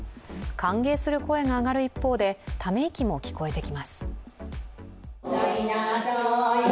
歓迎する声が上がる一方でため息も聞こえてきます。